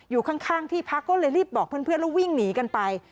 อยู่ข้างที่พักก็เลยรีบบอกเพื่อนแล้ววิ่งหนีกันไป